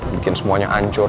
bikin semuanya hancur